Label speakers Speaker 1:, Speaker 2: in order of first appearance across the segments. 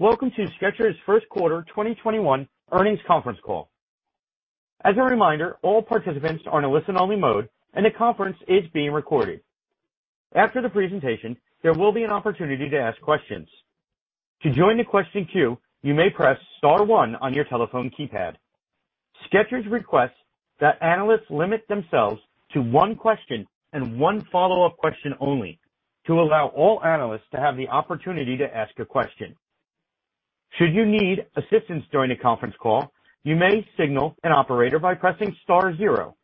Speaker 1: Welcome to Skechers' first quarter 2021 earnings conference call. As a reminder, all participants are in a listen-only mode, and the conference is being recorded. After the presentation, there will be an opportunity to ask questions. To join the question queue, you may press star one on your telephone keypad. Skechers requests that analysts limit themselves to one question and one follow-up question only to allow all analysts to have the opportunity to ask a question. Should you need assistance during the conference call, you may signal an operator by pressing star zero.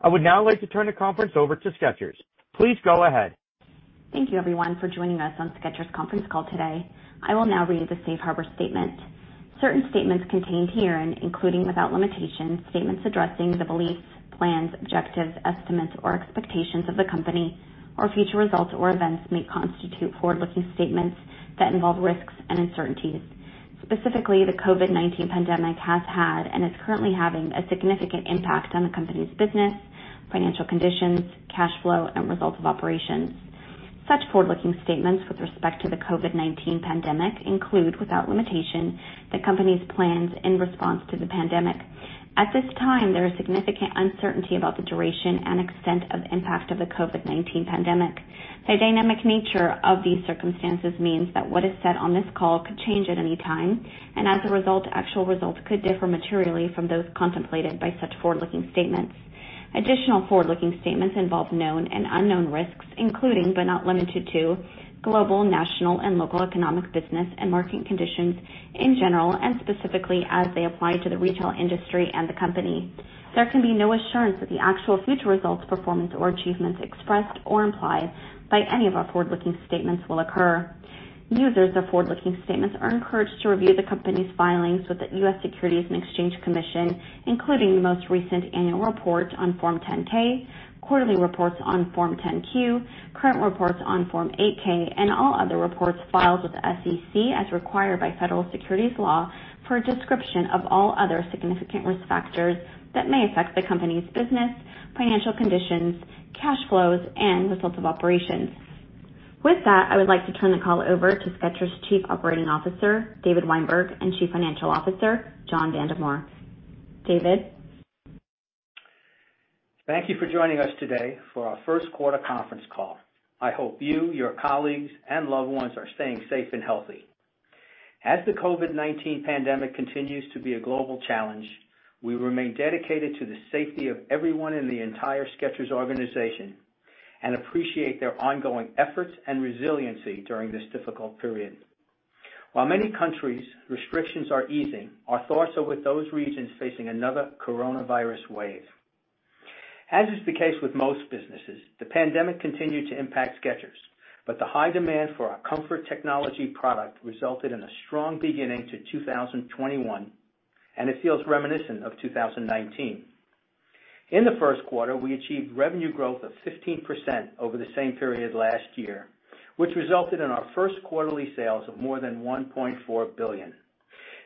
Speaker 1: I would now like to turn the conference over to Skechers. Please go ahead.
Speaker 2: Thank you, everyone, for joining us on Skechers' conference call today. I will now read the safe harbor statement. Certain statements contained herein, including, without limitation, statements addressing the beliefs, plans, objectives, estimates, or expectations of the company or future results or events, may constitute forward-looking statements that involve risks and uncertainties. Specifically, the COVID-19 pandemic has had and is currently having a significant impact on the company's business, financial conditions, cash flow, and results of operations. Such forward-looking statements with respect to the COVID-19 pandemic include, without limitation, the company's plans in response to the pandemic. At this time, there is significant uncertainty about the duration and extent of the impact of the COVID-19 pandemic. The dynamic nature of these circumstances means that what is said on this call could change at any time, and as a result, actual results could differ materially from those contemplated by such forward-looking statements. Additional forward-looking statements involve known and unknown risks, including, but not limited to, global, national, and local economic business and market conditions in general, and specifically as they apply to the retail industry and the company. There can be no assurance that the actual future results, performance, or achievements expressed or implied by any of our forward-looking statements will occur. Users of forward-looking statements are encouraged to review the company's filings with the U.S. Securities and Exchange Commission, including the most recent annual report on Form 10-K, quarterly reports on Form 10-Q, current reports on Form 8-K, and all other reports filed with the SEC as required by federal securities law for a description of all other significant risk factors that may affect the company's business, financial conditions, cash flows, and results of operations. With that, I would like to turn the call over to Skechers' Chief Operating Officer, David Weinberg, and Chief Financial Officer, John Vandemore. David?
Speaker 3: Thank you for joining us today for our first quarter conference call. I hope you, your colleagues, and loved ones are staying safe and healthy. As the COVID-19 pandemic continues to be a global challenge, we remain dedicated to the safety of everyone in the entire Skechers organization and appreciate their ongoing efforts and resiliency during this difficult period. While many countries' restrictions are easing, our thoughts are with those regions facing another coronavirus wave. As is the case with most businesses, the pandemic continued to impact Skechers, but the high demand for our comfort technology product resulted in a strong beginning to 2021, and it feels reminiscent of 2019. In the first quarter, we achieved revenue growth of 15% over the same period last year, which resulted in our first quarterly sales of more than $1.4 billion.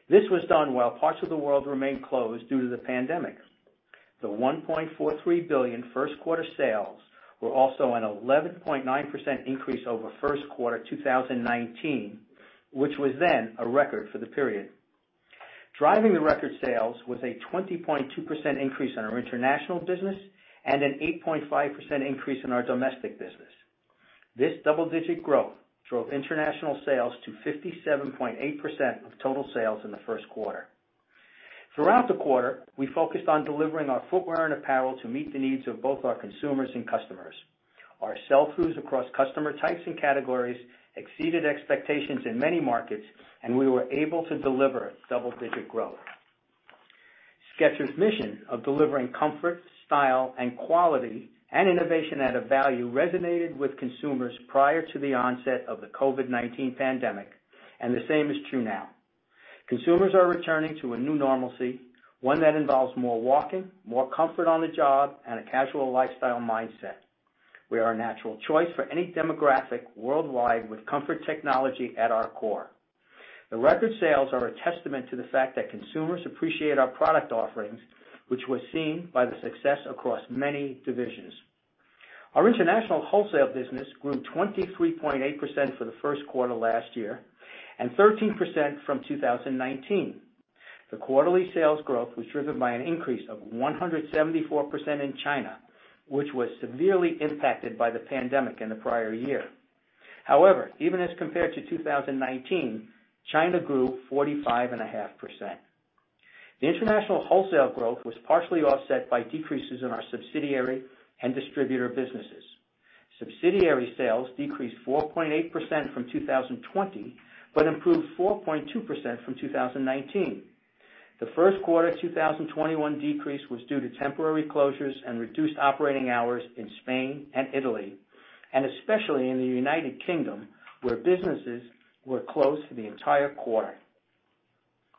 Speaker 3: This was done while parts of the world remained closed due to the pandemic. The $1.43 billion first quarter sales were also an 11.9% increase over first quarter 2019, which was then a record for the period. Driving the record sales was a 20.2% increase in our international business and an 8.5% increase in our domestic business. This double-digit growth drove international sales to 57.8% of total sales in the first quarter. Throughout the quarter, we focused on delivering our footwear and apparel to meet the needs of both our consumers and customers. Our sell-throughs across customer types and categories exceeded expectations in many markets, and we were able to deliver double-digit growth. Skechers' mission of delivering comfort, style, and quality and innovation at a value resonated with consumers prior to the onset of the COVID-19 pandemic, and the same is true now. Consumers are returning to a new normalcy, one that involves more walking, more comfort on the job, and a casual lifestyle mindset. We are a natural choice for any demographic worldwide with comfort technology at our core. The record sales are a testament to the fact that consumers appreciate our product offerings, which was seen by the success across many divisions. Our international wholesale business grew 23.8% for the first quarter last year and 13% from 2019. The quarterly sales growth was driven by an increase of 174% in China, which was severely impacted by the pandemic in the prior year. However, even as compared to 2019, China grew 45.5%. The international wholesale growth was partially offset by decreases in our subsidiary and distributor businesses. Subsidiary sales decreased 4.8% from 2020 but improved 4.2% from 2019. The first quarter 2021 decrease was due to temporary closures and reduced operating hours in Spain and Italy, and especially in the United Kingdom, where businesses were closed for the entire quarter.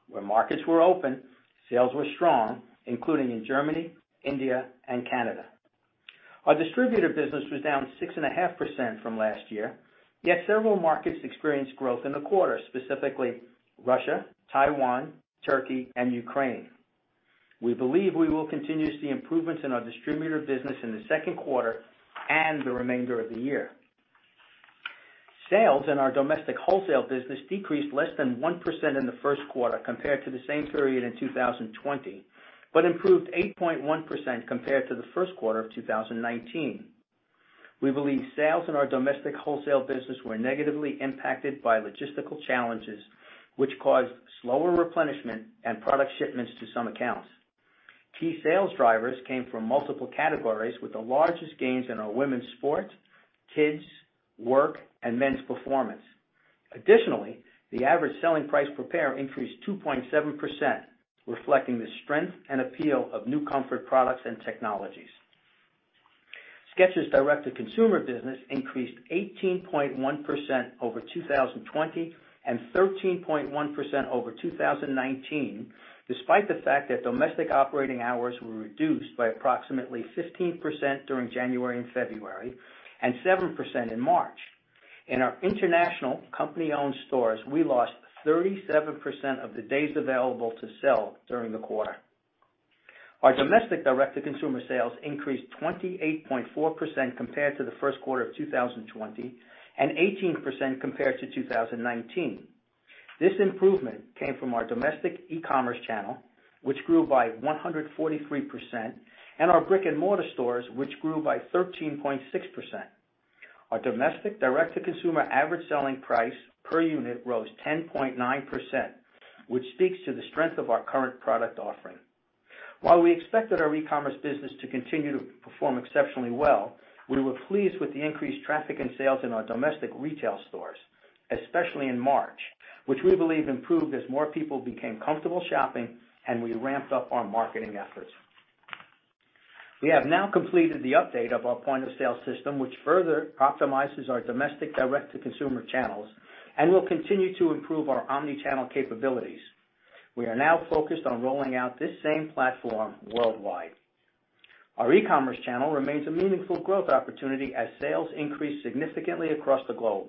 Speaker 3: Where markets were open, sales were strong, including in Germany, India, and Canada. Our distributor business was down 6.5% from last year, yet several markets experienced growth in the quarter, specifically Russia, Taiwan, Turkey, and Ukraine. We believe we will continue to see improvements in our distributor business in the second quarter and the remainder of the year. Sales in our domestic wholesale business decreased less than 1% in the first quarter compared to the same period in 2020, but improved 8.1% compared to the first quarter of 2019. We believe sales in our domestic wholesale business were negatively impacted by logistical challenges, which caused slower replenishment and product shipments to some accounts. Key sales drivers came from multiple categories, with the largest gains in our women's sports, kids, work, and men's performance. The average selling price per pair increased 2.7%, reflecting the strength and appeal of new comfort products and technologies. Skechers' direct-to-consumer business increased 18.1% over 2020, and 13.1% over 2019, despite the fact that domestic operating hours were reduced by approximately 15% during January and February, and 7% in March. In our international company-owned stores, we lost 37% of the days available to sell during the quarter. Our domestic direct-to-consumer sales increased 28.4% compared to the first quarter of 2020, and 18% compared to 2019. This improvement came from our domestic e-commerce channel, which grew by 143%, and our brick-and-mortar stores, which grew by 13.6%. Our domestic direct-to-consumer average selling price per unit rose 10.9%, which speaks to the strength of our current product offering. While we expected our e-commerce business to continue to perform exceptionally well, we were pleased with the increased traffic and sales in our domestic retail stores, especially in March, which we believe improved as more people became comfortable shopping and we ramped up our marketing efforts. We have now completed the update of our point-of-sale system, which further optimizes our domestic direct-to-consumer channels and will continue to improve our omni-channel capabilities. We are now focused on rolling out this same platform worldwide. Our e-commerce channel remains a meaningful growth opportunity as sales increase significantly across the globe.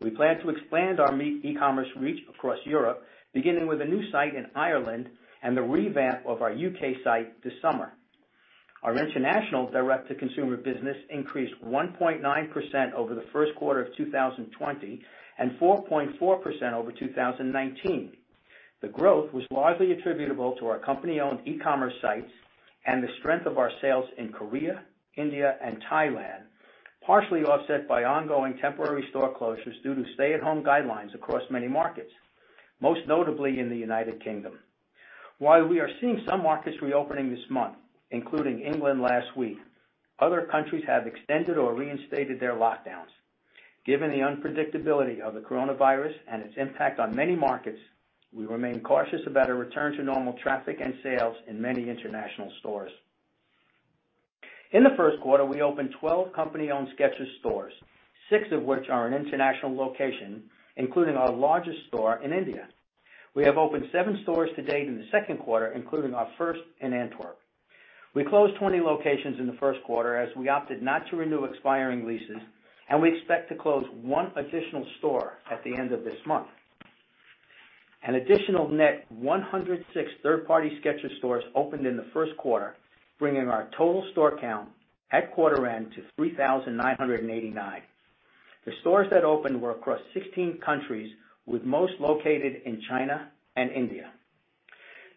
Speaker 3: We plan to expand our e-commerce reach across Europe, beginning with a new site in Ireland, and the revamp of our U.K. site this summer. Our international direct-to-consumer business increased 1.9% over the first quarter of 2020, and 4.4% over 2019. The growth was largely attributable to our company-owned e-commerce sites and the strength of our sales in Korea, India, and Thailand, partially offset by ongoing temporary store closures due to stay-at-home guidelines across many markets, most notably in the United Kingdom. While we are seeing some markets reopening this month, including England last week, other countries have extended or reinstated their lockdowns. Given the unpredictability of the coronavirus and its impact on many markets, we remain cautious about a return to normal traffic and sales in many international stores. In the first quarter, we opened 12 company-owned Skechers stores, six of which are in international locations, including our largest store in India. We have opened seven stores to date in the second quarter, including our first in Antwerp. We closed 20 locations in the first quarter as we opted not to renew expiring leases, and we expect to close one additional store at the end of this month. An additional net 106 third-party Skechers stores opened in the first quarter, bringing our total store count at quarter end to 3,989. The stores that opened were across 16 countries, with most located in China and India.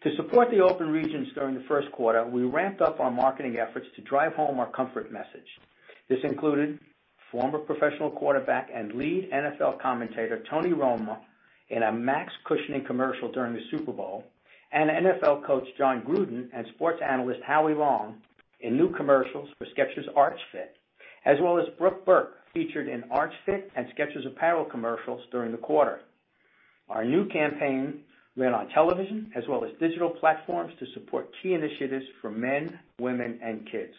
Speaker 3: To support the open regions during the first quarter, we ramped up our marketing efforts to drive home our comfort message. This included former professional quarterback and lead NFL commentator Tony Romo in a Max Cushioning commercial during the Super Bowl, and NFL coach Jon Gruden and sports analyst Howie Long in new commercials for Skechers Arch Fit, as well as Brooke Burke featured in Arch Fit and Skechers apparel commercials during the quarter. Our new campaign ran on television as well as digital platforms to support key initiatives for men, women, and kids.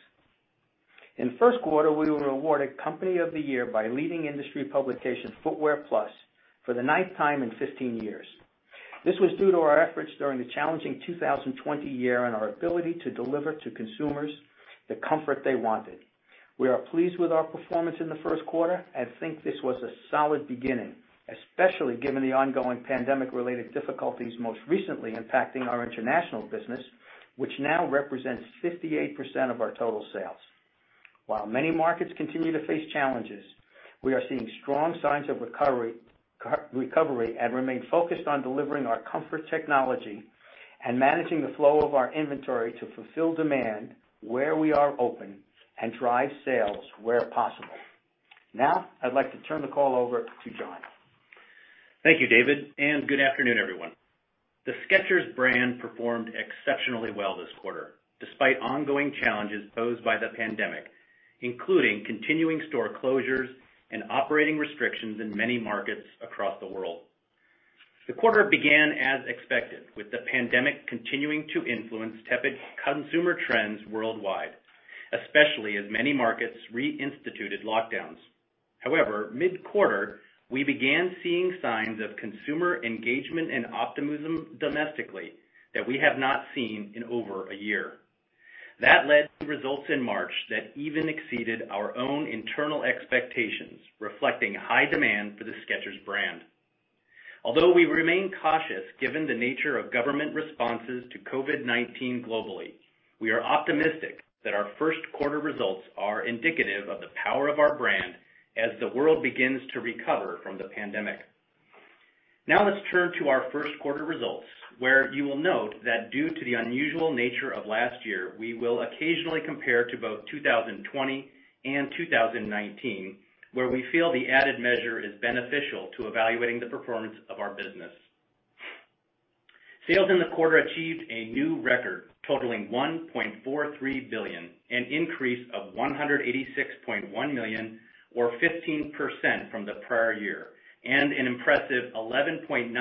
Speaker 3: In the first quarter, we were awarded Company of the Year by leading industry publication Footwear Plus for the ninth time in 15 years. This was due to our efforts during the challenging 2020 year and our ability to deliver to consumers the comfort they wanted. We are pleased with our performance in the first quarter and think this was a solid beginning, especially given the ongoing pandemic-related difficulties most recently impacting our international business, which now represents 58% of our total sales. While many markets continue to face challenges, we are seeing strong signs of recovery and remain focused on delivering our comfort technology and managing the flow of our inventory to fulfill demand where we are open and drive sales where possible. Now, I'd like to turn the call over to John.
Speaker 4: Thank you, David, and good afternoon, everyone. The Skechers brand performed exceptionally well this quarter, despite ongoing challenges posed by the pandemic, including continuing store closures and operating restrictions in many markets across the world. The quarter began as expected, with the pandemic continuing to influence tepid consumer trends worldwide, especially as many markets reinstituted lockdowns. However, mid-quarter, we began seeing signs of consumer engagement and optimism domestically that we have not seen in over a year. That led to results in March that even exceeded our own internal expectations, reflecting high demand for the Skechers brand. Although we remain cautious given the nature of government responses to COVID-19 globally, we are optimistic that our first quarter results are indicative of the power of our brand as the world begins to recover from the pandemic. Let's turn to our first quarter results, where you will note that due to the unusual nature of last year, we will occasionally compare to both 2020 and 2019, where we feel the added measure is beneficial to evaluating the performance of our business. Sales in the quarter achieved a new record, totaling $1.43 billion, an increase of $186.1 million, or 15% from the prior year, and an impressive 11.9%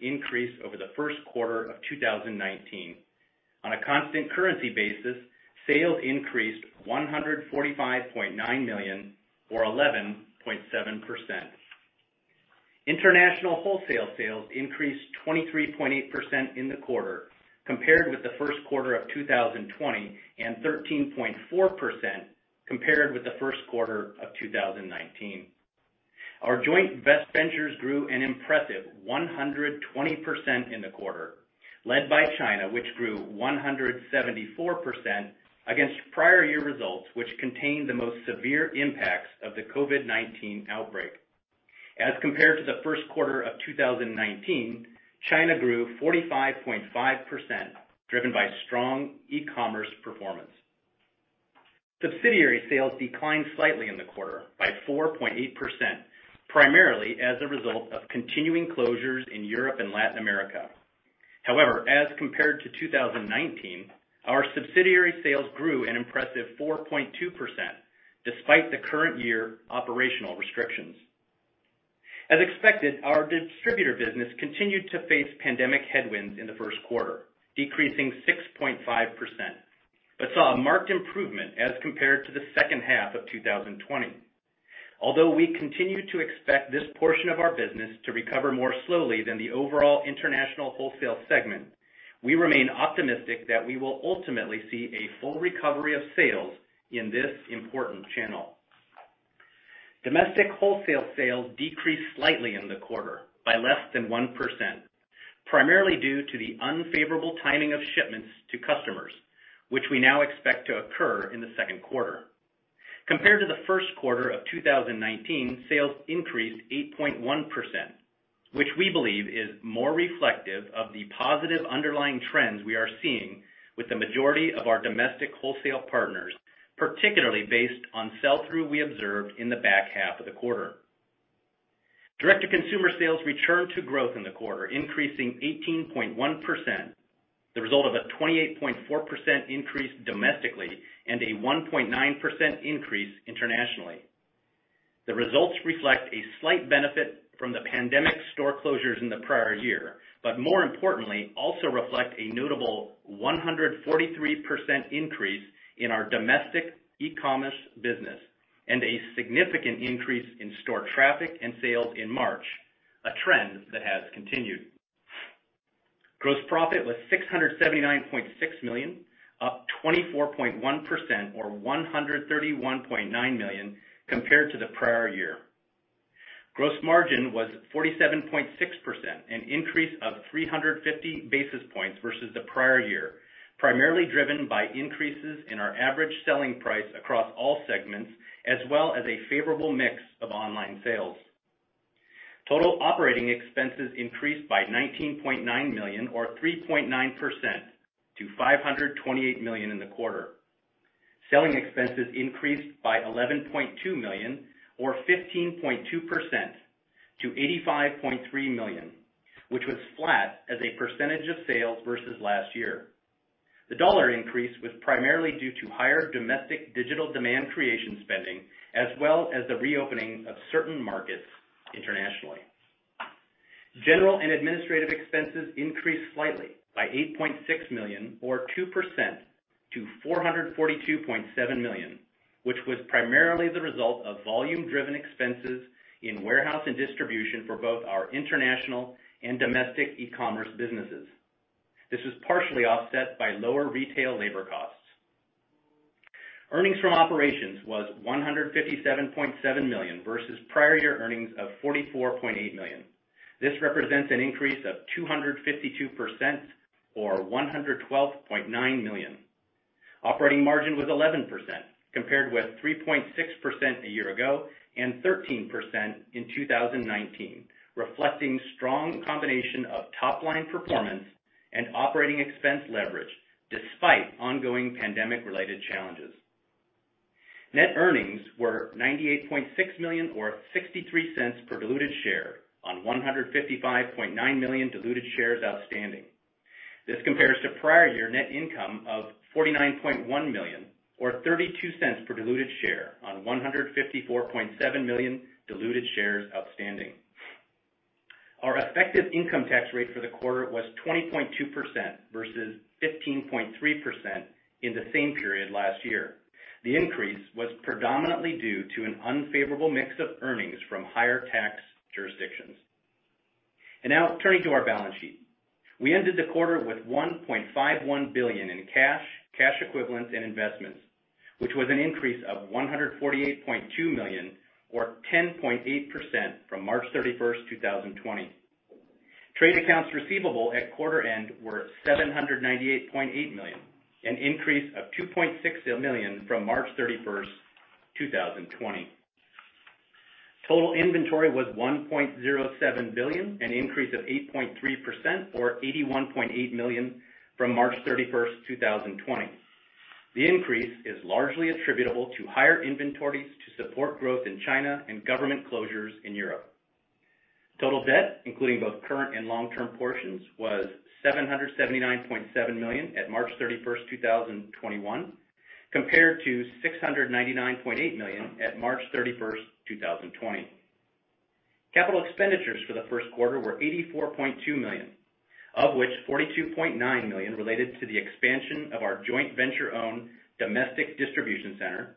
Speaker 4: increase over the first quarter of 2019. On a constant currency basis, sales increased $145.9 million, or 11.7%. International wholesale sales increased 23.8% in the quarter compared with the first quarter of 2020 and 13.4% compared with the first quarter of 2019. Our joint ventures grew an impressive 120% in the quarter, led by China, which grew 174% against prior year results, which contained the most severe impacts of the COVID-19 outbreak. As compared to the first quarter of 2019, China grew 45.5%, driven by strong e-commerce performance. Subsidiary sales declined slightly in the quarter by 4.8%, primarily as a result of continuing closures in Europe and Latin America. As compared to 2019, our subsidiary sales grew an impressive 4.2%, despite the current year operational restrictions. As expected, our distributor business continued to face pandemic headwinds in the first quarter, decreasing 6.5%, but saw a marked improvement as compared to the second half of 2020. We continue to expect this portion of our business to recover more slowly than the overall international wholesale segment, we remain optimistic that we will ultimately see a full recovery of sales in this important channel. Domestic wholesale sales decreased slightly in the quarter by less than 1%, primarily due to the unfavorable timing of shipments to customers, which we now expect to occur in the second quarter. Compared to the first quarter of 2019, sales increased 8.1%, which we believe is more reflective of the positive underlying trends we are seeing with the majority of our domestic wholesale partners, particularly based on sell-through we observed in the back half of the quarter. Direct-to-consumer sales returned to growth in the quarter, increasing 18.1%, the result of a 28.4% increase domestically and a 1.9% increase internationally. The results reflect a slight benefit from the pandemic store closures in the prior year, but more importantly, also reflect a notable 143% increase in our domestic e-commerce business and a significant increase in store traffic and sales in March, a trend that has continued. Gross profit was $679.6 million, up 24.1%, or $131.9 million compared to the prior year. Gross margin was 47.6%, an increase of 350 basis points versus the prior year, primarily driven by increases in our average selling price across all segments, as well as a favorable mix of online sales. Total operating expenses increased by $19.9 million or 3.9% to $528 million in the quarter. Selling expenses increased by $11.2 million or 15.2% to $85.3 million, which was flat as a percentage of sales versus last year. The dollar increase was primarily due to higher domestic digital demand creation spending, as well as the reopening of certain markets internationally. General and administrative expenses increased slightly by $8.6 million or 2% to $442.7 million, which was primarily the result of volume driven expenses in warehouse and distribution for both our international and domestic e-commerce businesses. This was partially offset by lower retail labor costs. Earnings from operations was $157.7 million versus prior year earnings of $44.8 million. This represents an increase of 252% or $112.9 million. Operating margin was 11%, compared with 3.6% a year ago and 13% in 2019, reflecting strong combination of top line performance and operating expense leverage despite ongoing pandemic related challenges. Net earnings were $98.6 million or $0.63 per diluted share on 155.9 million diluted shares outstanding. This compares to prior year net income of $49.1 million or $0.32 per diluted share on 154.7 million diluted shares outstanding. Our effective income tax rate for the quarter was 20.2% versus 15.3% in the same period last year. The increase was predominantly due to an unfavorable mix of earnings from higher tax jurisdictions. Now turning to our balance sheet. We ended the quarter with $1.51 billion in cash equivalents, and investments, which was an increase of $148.2 million or 10.8% from March 31st, 2020. Trade accounts receivable at quarter end were $798.8 million, an increase of $2.6 million from March 31st, 2020. Total inventory was $1.07 billion, an increase of 8.3%, or $81.8 million from March 31st, 2020. The increase is largely attributable to higher inventories to support growth in China and government closures in Europe. Total debt, including both current and long-term portions, was $779.7 million at March 31st, 2021, compared to $699.8 million at March 31st, 2020. Capital expenditures for the first quarter were $84.2 million, of which $42.9 million related to the expansion of our joint venture-owned domestic distribution center,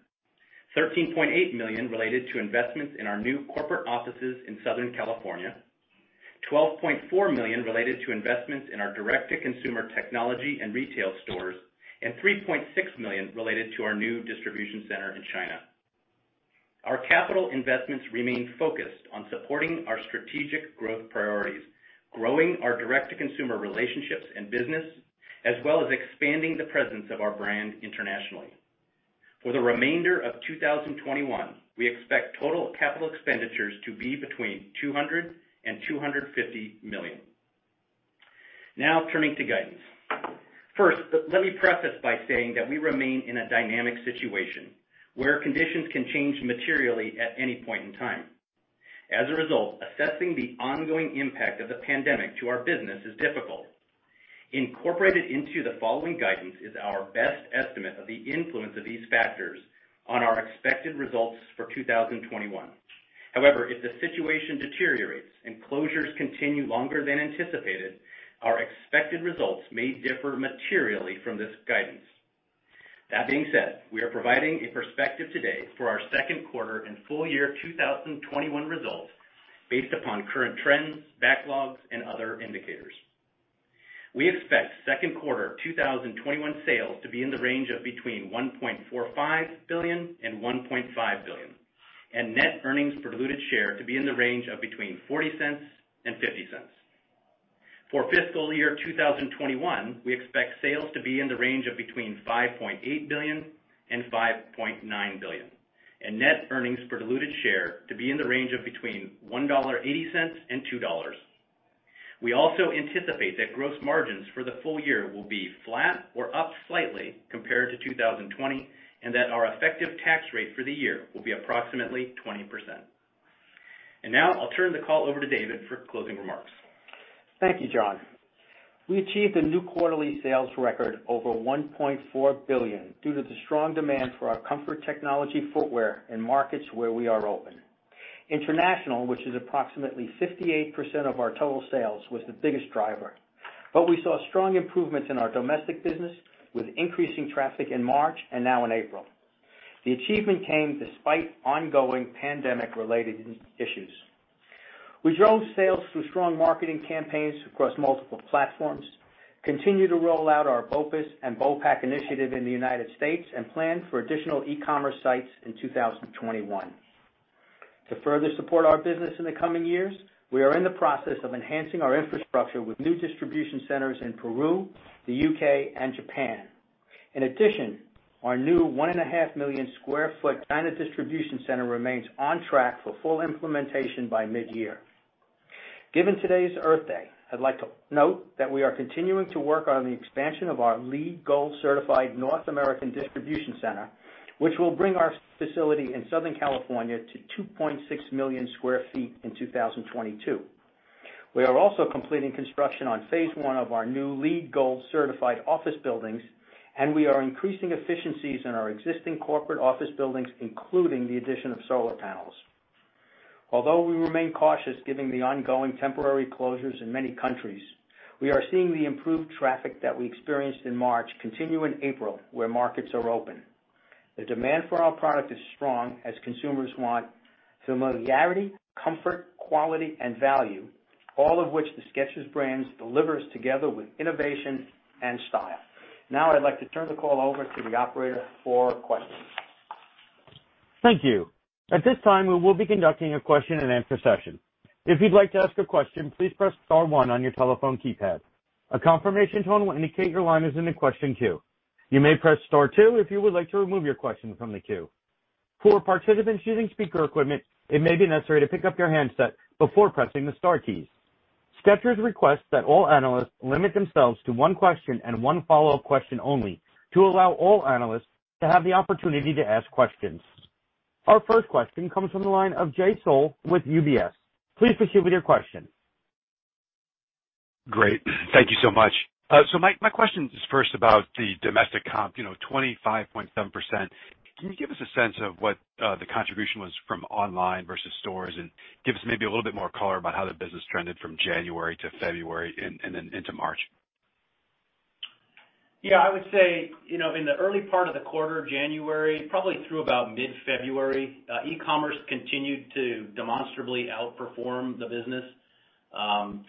Speaker 4: $13.8 million related to investments in our new corporate offices in Southern California, $12.4 million related to investments in our direct-to-consumer technology and retail stores, and $3.6 million related to our new distribution center in China. Our capital investments remain focused on supporting our strategic growth priorities, growing our direct-to-consumer relationships and business, as well as expanding the presence of our brand internationally. For the remainder of 2021, we expect total capital expenditures to be between $200 million and $250 million. Now turning to guidance. First, let me preface by saying that we remain in a dynamic situation where conditions can change materially at any point in time. As a result, assessing the ongoing impact of the pandemic to our business is difficult. Incorporated into the following guidance is our best estimate of the influence of these factors on our expected results for 2021. However, if the situation deteriorates and closures continue longer than anticipated, our expected results may differ materially from this guidance. That being said, we are providing a perspective today for our second quarter and full year 2021 results based upon current trends, backlogs, and other indicators. We expect second quarter 2021 sales to be in the range of between $1.45 billion and $1.5 billion, and net earnings per diluted share to be in the range of between $0.40 and $0.50. For fiscal year 2021, we expect sales to be in the range of between $5.8 billion and $5.9 billion, and net earnings per diluted share to be in the range of between $1.80 and $2. We also anticipate that gross margins for the full year will be flat or up slightly compared to 2020, and that our effective tax rate for the year will be approximately 20%. Now I'll turn the call over to David for closing remarks.
Speaker 3: Thank you, John. We achieved a new quarterly sales record over $1.4 billion due to the strong demand for our comfort technology footwear in markets where we are open. International, which is approximately 58% of our total sales, was the biggest driver. We saw strong improvements in our domestic business, with increasing traffic in March and now in April. The achievement came despite ongoing pandemic-related issues. We drove sales through strong marketing campaigns across multiple platforms, continue to roll out our BOPIS and BOPAC initiative in the U.S., and plan for additional e-commerce sites in 2021. To further support our business in the coming years, we are in the process of enhancing our infrastructure with new distribution centers in Peru, the U.K., and Japan. In addition, our new 1.5 million square foot China distribution center remains on track for full implementation by mid-year. Given today's Earth Day, I'd like to note that we are continuing to work on the expansion of our LEED Gold certified North American distribution center, which will bring our facility in Southern California to 2.6 million square feet in 2022. We are also completing construction on phase 1 of our new LEED Gold certified office buildings, and we are increasing efficiencies in our existing corporate office buildings, including the addition of solar panels. Although we remain cautious given the ongoing temporary closures in many countries, we are seeing the improved traffic that we experienced in March continue in April, where markets are open. The demand for our product is strong as consumers want familiarity, comfort, quality, and value, all of which the Skechers brands delivers together with innovation and style. Now I'd like to turn the call over to the operator for questions.
Speaker 1: Thank you. At this time, we will be conducting a question and answer session. If you'd like to ask a question, please press star one on your telephone keypad. A confirmation tone will indicate that your line is in the question queue. You may press star two if you would like remove your question from the queue. For participants using speaker equipment, it may be necessary to pick up your handset before pressing the star keys. Skechers requests that all analysts limit themselves to one question and one follow-up question only, to allow all analysts to have the opportunity to ask questions. Our first question comes from the line of Jay Sole with UBS. Please proceed with your question.
Speaker 5: Great. Thank you so much. My question is first about the domestic comp, 25.7%. Can you give us a sense of what the contribution was from online versus stores, and give us maybe a little bit more color about how the business trended from January to February and then into March?
Speaker 4: I would say, in the early part of the quarter, January probably through about mid-February, e-commerce continued to demonstrably outperform the business.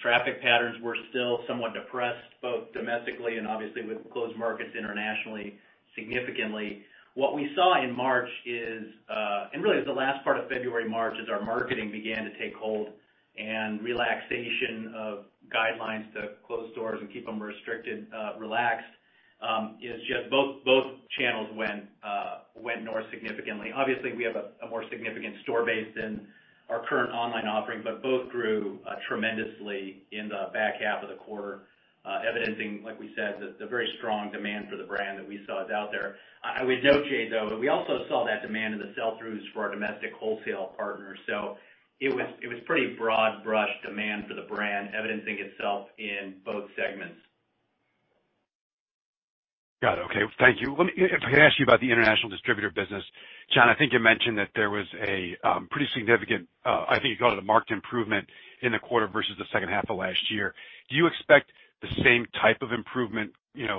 Speaker 4: Traffic patterns were still somewhat depressed, both domestically and obviously with closed markets internationally, significantly. What we saw in March is, and really it was the last part of February, March, as our marketing began to take hold and relaxation of guidelines to close stores and keep them restricted, relaxed, is just both channels went north significantly. Obviously, we have a more significant store base than our current online offering, but both grew tremendously in the back half of the quarter, evidencing, like we said, the very strong demand for the brand that we saw is out there. I would note, Jay, though, that we also saw that demand in the sell-throughs for our domestic wholesale partners. It was pretty broad-brush demand for the brand, evidencing itself in both segments.
Speaker 5: Got it. Okay. Thank you. Let me, if I could ask you about the international distributor business. John, I think you mentioned that there was a pretty significant, I think you called it a marked improvement in the quarter versus the second half of last year. Do you expect the same type of improvement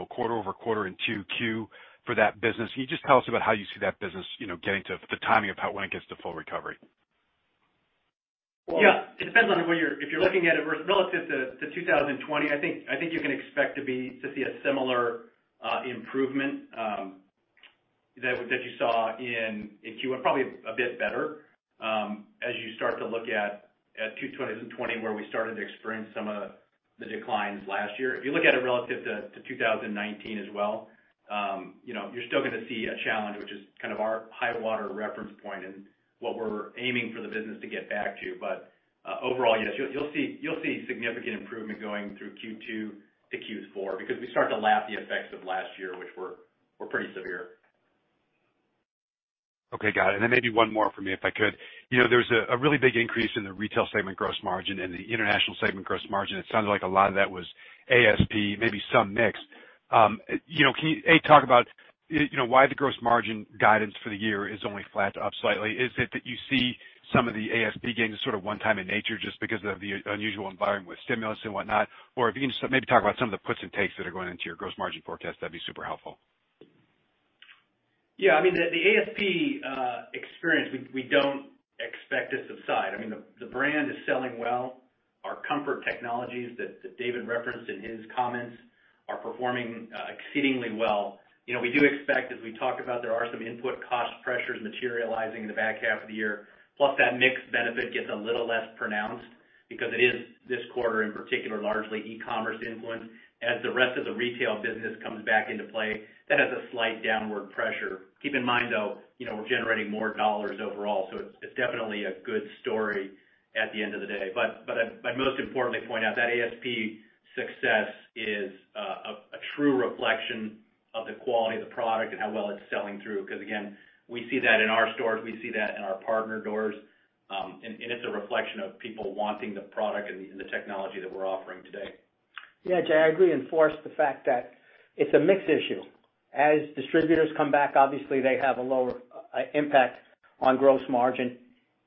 Speaker 5: quarter-over-quarter in 2Q for that business? Can you just tell us about how you see that business getting to the timing of when it gets to full recovery?
Speaker 4: Yeah. It depends on if you're looking at it relative to 2020. I think you can expect to see a similar improvement that you saw in Q1, probably a bit better, as you start to look at 2020, where we started to experience some of the declines last year. If you look at it relative to 2019 as well, you're still going to see a challenge, which is kind of our high water reference point and what we're aiming for the business to get back to. Overall, yes, you'll see significant improvement going through Q2 to Q4 because we start to lap the effects of last year, which were pretty severe.
Speaker 5: Okay. Got it. Then maybe one more from me, if I could. There was a really big increase in the retail segment gross margin and the international segment gross margin. It sounded like a lot of that was ASP, maybe some mix. Can you, A, talk about why the gross margin guidance for the year is only flat to up slightly? Is it that you see some of the ASP gains as sort of one time in nature just because of the unusual environment with stimulus and whatnot? If you can just maybe talk about some of the puts and takes that are going into your gross margin forecast, that'd be super helpful.
Speaker 4: I mean, the ASP experience, we don't expect to subside. I mean, the brand is selling well. Our comfort technologies that David referenced in his comments are performing exceedingly well. We do expect, as we talk about, there are some input cost pressures materializing in the back half of the year, plus that mix benefit gets a little less pronounced because it is this quarter in particular, largely e-commerce influenced. As the rest of the retail business comes back into play, that has a slight downward pressure. Keep in mind, though, we're generating more dollars overall, so it's definitely a good story at the end of the day. I'd most importantly point out that ASP success is a true reflection of the quality of the product and how well it's selling through. Again, we see that in our stores, we see that in our partner doors, and it's a reflection of people wanting the product and the technology that we're offering today.
Speaker 3: Jay, I agree, and first the fact that it's a mix issue. As distributors come back, obviously, they have a lower impact on gross margin.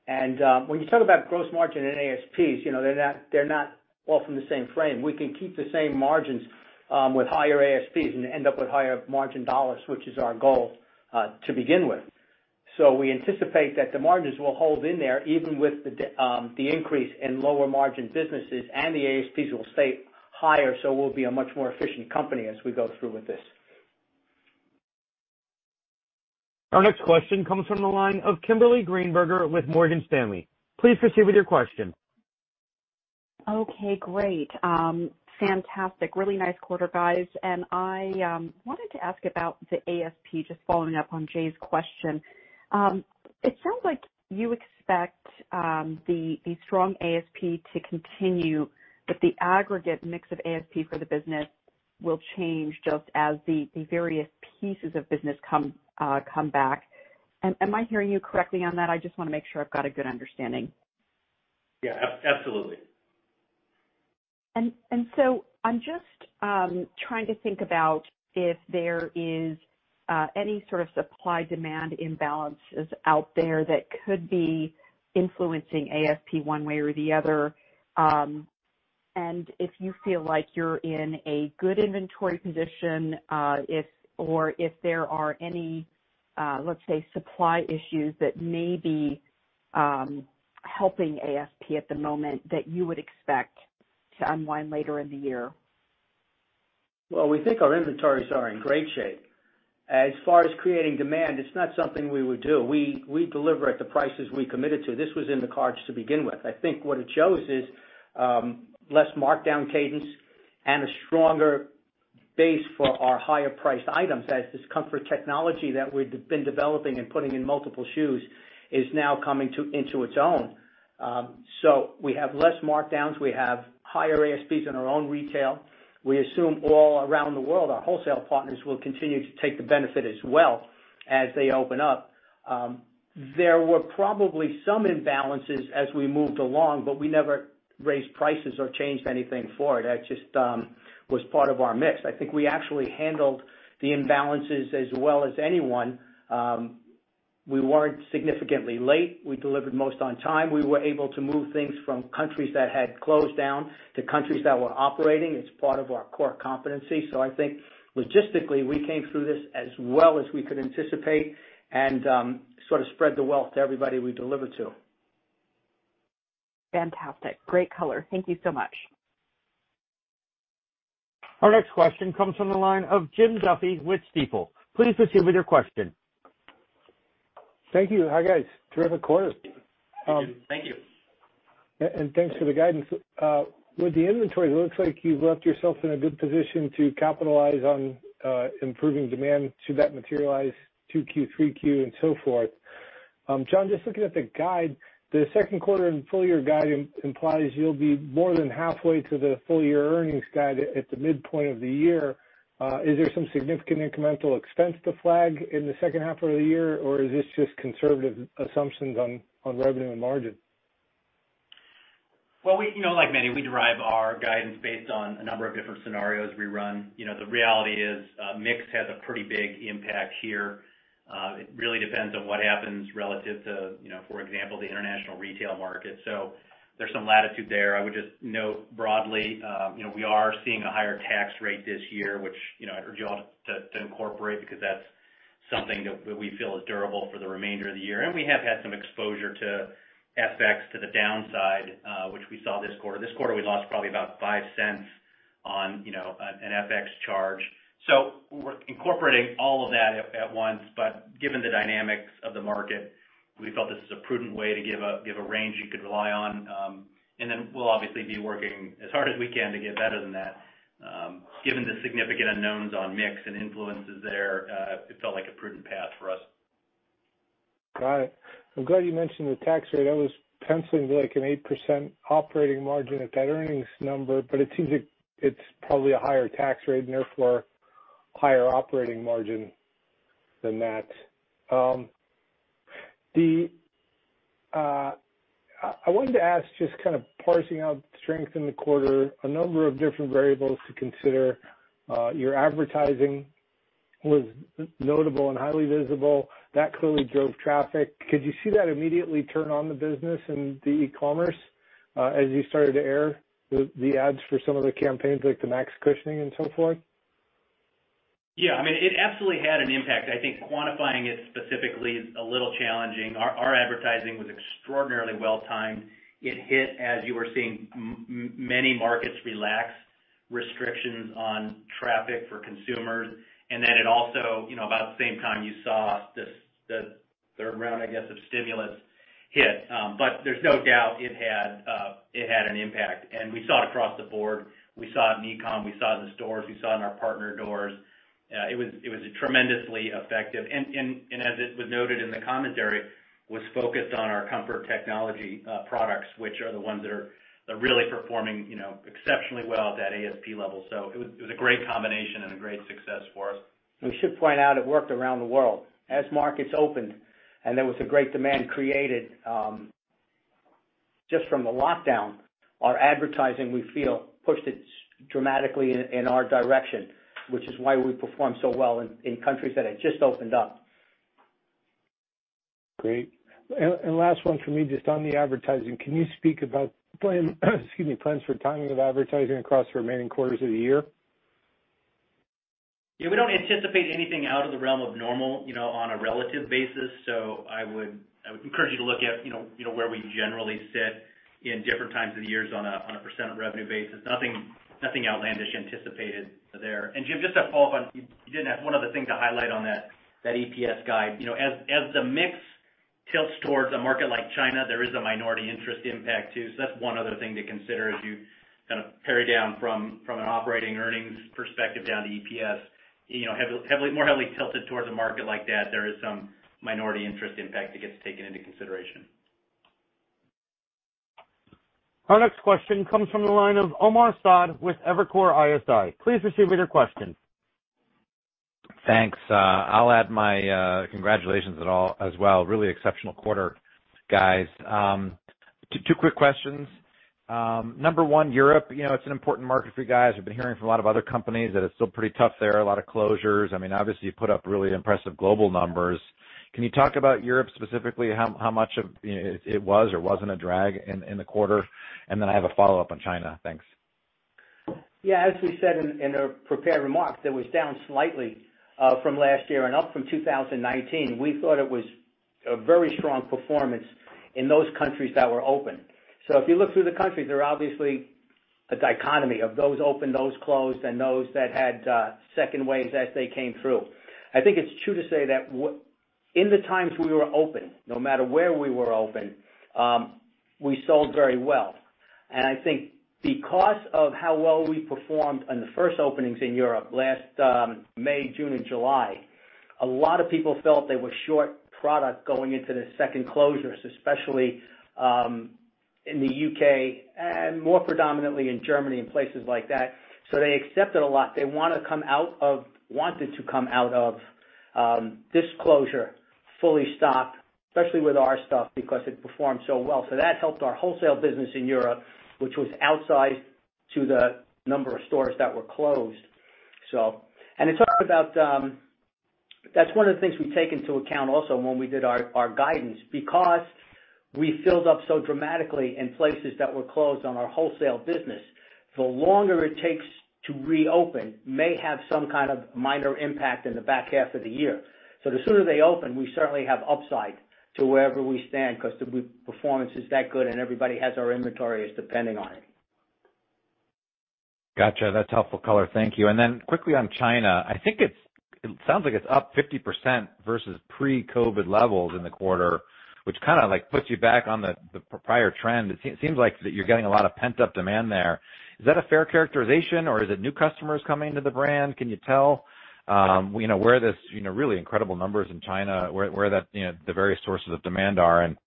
Speaker 3: When you talk about gross margin and ASPs, they're not all from the same frame. We can keep the same margins with higher ASPs and end up with higher margin dollars, which is our goal to begin with. We anticipate that the margins will hold in there even with the increase in lower margin businesses, and the ASPs will stay higher, so we'll be a much more efficient company as we go through with this.
Speaker 1: Our next question comes from the line of Kimberly Greenberger with Morgan Stanley. Please proceed with your question.
Speaker 6: Okay, great. Fantastic. Really nice quarter, guys. I wanted to ask about the ASP, just following up on Jay's question. It sounds like you expect the strong ASP to continue, but the aggregate mix of ASP for the business will change just as the various pieces of business come back. Am I hearing you correctly on that? I just want to make sure I've got a good understanding.
Speaker 3: Yeah, absolutely.
Speaker 6: I'm just trying to think about if there is any sort of supply-demand imbalances out there that could be influencing ASP one way or the other, and if you feel like you're in a good inventory position or if there are any, let's say, supply issues that may be helping ASP at the moment that you would expect to unwind later in the year.
Speaker 3: Well, we think our inventories are in great shape. As far as creating demand, it's not something we would do. We deliver at the prices we committed to. This was in the cards to begin with. I think what it shows is less markdown cadence and a stronger base for our higher priced items as this comfort technology that we've been developing and putting in multiple shoes is now coming into its own. We have less markdowns. We have higher ASPs in our own retail. We assume all around the world our wholesale partners will continue to take the benefit as well as they open up. There were probably some imbalances as we moved along, but we never raised prices or changed anything for it. That just was part of our mix. I think we actually handled the imbalances as well as anyone. We weren't significantly late. We delivered most on time. We were able to move things from countries that had closed down to countries that were operating. It's part of our core competency. I think logistically, we came through this as well as we could anticipate, and sort of spread the wealth to everybody we deliver to.
Speaker 6: Fantastic. Great color. Thank you so much.
Speaker 1: Our next question comes from the line of Jim Duffy with Stifel. Please proceed with your question.
Speaker 7: Thank you. Hi, guys. Terrific quarter.
Speaker 4: Thank you.
Speaker 7: Thanks for the guidance. With the inventory, it looks like you've left yourself in a good position to capitalize on improving demand. Should that materialize 2Q, 3Q, and so forth? John, just looking at the guide, the second quarter and full year guide implies you'll be more than halfway to the full-year earnings guide at the midpoint of the year. Is there some significant incremental expense to flag in the second half of the year, or is this just conservative assumptions on revenue and margin?
Speaker 4: Well, like many, we derive our guidance based on a number of different scenarios we run. The reality is, mix has a pretty big impact here. It really depends on what happens relative to, for example, the international retail market. There's some latitude there. I would just note broadly, we are seeing a higher tax rate this year, which I'd urge you all to incorporate because that's something that we feel is durable for the remainder of the year. We have had some exposure to FX to the downside, which we saw this quarter. This quarter, we lost probably about $0.05 on an FX charge. We're incorporating all of that at once. Given the dynamics of the market, we felt this is a prudent way to give a range you could rely on. We'll obviously be working as hard as we can to get better than that. Given the significant unknowns on mix and influences there, it felt like a prudent path for us.
Speaker 7: Got it. I'm glad you mentioned the tax rate. I was penciling like an 8% operating margin at that earnings number, but it seems like it's probably a higher tax rate, and therefore higher operating margin than that. I wanted to ask, just kind of parsing out strength in the quarter, a number of different variables to consider. Your advertising was notable and highly visible. That clearly drove traffic. Could you see that immediately turn on the business and the e-commerce as you started to air the ads for some of the campaigns like the Max Cushioning and so forth?
Speaker 4: Yeah. It absolutely had an impact. I think quantifying it specifically is a little challenging. Our advertising was extraordinarily well timed. It hit as you were seeing many markets relax restrictions on traffic for consumers, it also, about the same time, you saw the third round, I guess, of stimulus hit. There's no doubt it had an impact, and we saw it across the board. We saw it in e-com, we saw it in the stores, we saw it in our partner doors. It was tremendously effective. As it was noted in the commentary, was focused on our comfort technology products, which are the ones that are really performing exceptionally well at that ASP level. It was a great combination and a great success for us.
Speaker 3: We should point out it worked around the world. As markets opened, and there was a great demand created just from the lockdown, our advertising, we feel, pushed it dramatically in our direction, which is why we performed so well in countries that had just opened up.
Speaker 7: Great. Last one from me, just on the advertising. Can you speak about excuse me, plans for timing of advertising across the remaining quarters of the year?
Speaker 4: Yeah. We don't anticipate anything out of the realm of normal on a relative basis. I would encourage you to look at where we generally sit in different times of the years on a percent of revenue basis. Nothing outlandish anticipated there. Jim, just to follow up on You did ask one other thing to highlight on that EPS guide. As the mix tilts towards a market like China, there is a minority interest impact too. That's one other thing to consider as you kind of pare down from an operating earnings perspective down to EPS. More heavily tilted towards a market like that, there is some minority interest impact that gets taken into consideration.
Speaker 1: Our next question comes from the line of Omar Saad with Evercore ISI. Please proceed with your question.
Speaker 8: Thanks. I'll add my congratulations as well. Really exceptional quarter, guys. Two quick questions. Number one, Europe. It's an important market for you guys. We've been hearing from a lot of other companies that it's still pretty tough there, a lot of closures. Obviously, you put up really impressive global numbers. Can you talk about Europe specifically? How much of it was or wasn't a drag in the quarter? Then I have a follow-up on China. Thanks.
Speaker 3: Yeah. As we said in our prepared remarks, it was down slightly from last year and up from 2019. We thought it was a very strong performance in those countries that were open. If you look through the countries, there are obviously a dichotomy of those open, those closed, and those that had second waves as they came through. I think it's true to say that in the times we were open, no matter where we were open, we sold very well. I think because of how well we performed on the first openings in Europe last May, June, and July, a lot of people felt they were short product going into the second closures, especially in the U.K., and more predominantly in Germany and places like that. They accepted a lot. They wanted to come out of this closure fully stocked, especially with our stuff, because it performed so well. That helped our wholesale business in Europe, which was outsized to the number of stores that were closed. That's one of the things we take into account also when we did our guidance, because we filled up so dramatically in places that were closed on our wholesale business. The longer it takes to reopen may have some kind of minor impact in the back half of the year. The sooner they open, we certainly have upside to wherever we stand because the performance is that good and everybody has our inventory is depending on it.
Speaker 8: Got you. That's helpful color. Thank you. Quickly on China, I think it sounds like it's up 50% versus pre-COVID levels in the quarter, which kind of puts you back on the prior trend. It seems like that you're getting a lot of pent-up demand there. Is that a fair characterization, or is it new customers coming to the brand? Can you tell where this really incredible numbers in China, where the various sources of demand are and,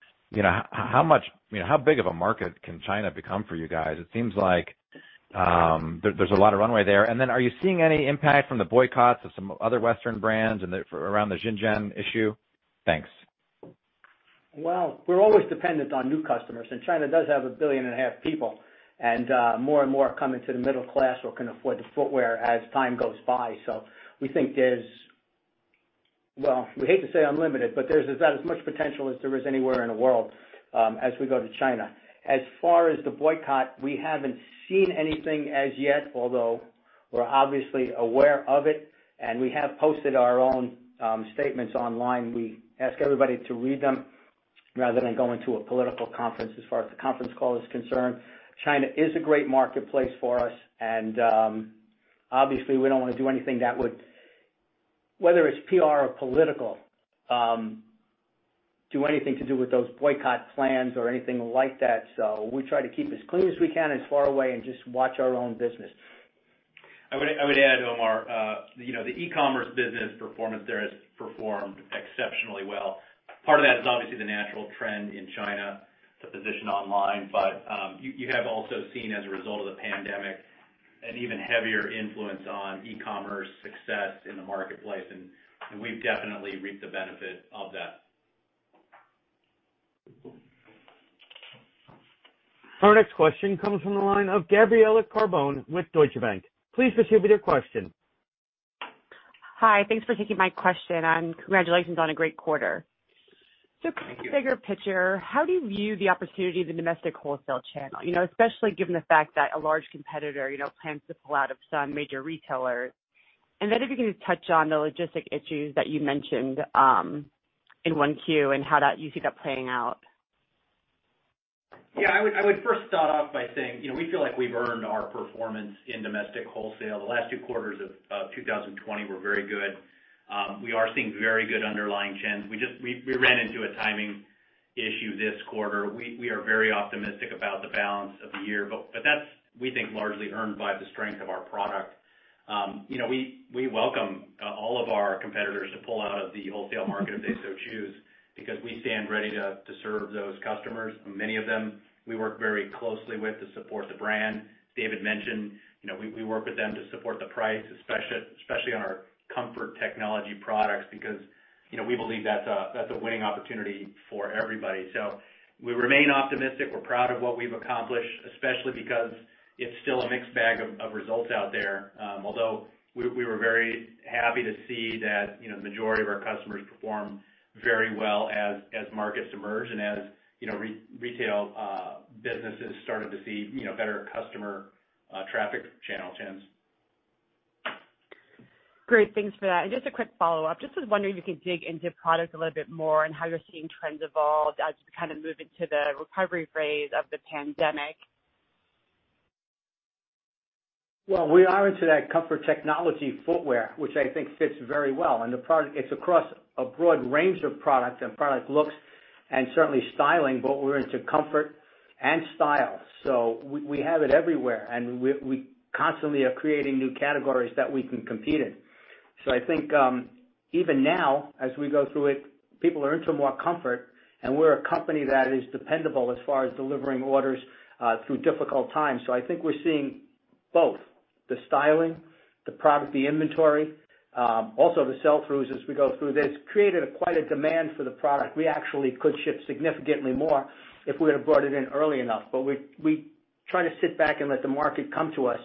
Speaker 8: how big of a market can China become for you guys? It seems like there's a lot of runway there. Are you seeing any impact from the boycotts of some other Western brands and around the Xinjiang issue? Thanks.
Speaker 3: Well, we're always dependent on new customers, and China does have a billion and a half people, and more and more are coming to the middle class or can afford the footwear as time goes by. We think there's well, we hate to say unlimited, but there's as much potential as there is anywhere in the world as we go to China. As far as the boycott, we haven't seen anything as yet, although we're obviously aware of it, and we have posted our own statements online. We ask everybody to read them rather than go into a political conference as far as the conference call is concerned. China is a great marketplace for us, and obviously we don't want to do anything that would, whether it's PR or political, do anything to do with those boycott plans or anything like that. We try to keep as clean as we can, as far away, and just watch our own business.
Speaker 4: I would add, Omar, the e-commerce business performance there has performed exceptionally well. Part of that is obviously the natural trend in China to position online. You have also seen as a result of the pandemic, an even heavier influence on e-commerce success in the marketplace, and we've definitely reaped the benefit of that.
Speaker 1: Our next question comes from the line of Gabriella Carbone with Deutsche Bank. Please proceed with your question.
Speaker 9: Hi. Thanks for taking my question, and congratulations on a great quarter.
Speaker 4: Thank you.
Speaker 9: Kind of bigger picture, how do you view the opportunity of the domestic wholesale channel, especially given the fact that a large competitor plans to pull out of some major retailers? If you can just touch on the logistic issues that you mentioned in 1Q and how that you see that playing out.
Speaker 4: Yeah. I would first start off by saying we feel like we've earned our performance in domestic wholesale. The last two quarters of 2020 were very good. We are seeing very good underlying trends. We ran into a timing issue this quarter. We are very optimistic about the balance of the year. That's, we think, largely earned by the strength of our product. We welcome all of our competitors to pull out of the wholesale market if they so choose, because we stand ready to serve those customers. Many of them we work very closely with to support the brand. David mentioned we work with them to support the price, especially on our comfort technology products because we believe that's a winning opportunity for everybody. We remain optimistic. We're proud of what we've accomplished, especially because it's still a mixed bag of results out there. We were very happy to see that the majority of our customers performed very well as markets emerged and as retail businesses started to see better customer traffic channel trends.
Speaker 9: Great. Thanks for that. Just a quick follow-up. Just was wondering if you could dig into product a little bit more and how you're seeing trends evolve as we kind of move into the recovery phase of the pandemic.
Speaker 3: Well, we are into that comfort technology footwear, which I think fits very well. The product, it's across a broad range of products and product looks and certainly styling, but we're into comfort and style. We have it everywhere, and we constantly are creating new categories that we can compete in. I think even now as we go through it, people are into more comfort, and we're a company that is dependable as far as delivering orders through difficult times. I think we're seeing both the styling, the product, the inventory, also the sell-throughs as we go through this, created quite a demand for the product. We actually could ship significantly more if we would've brought it in early enough. We try to sit back and let the market come to us,